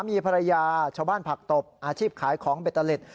๒๓ยีภรรยาชาวบ้านผักตบอาชีพขายของเบ็ดตะเล็ด